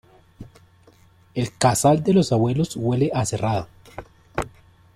El casal de los abuelos huele a cerrado.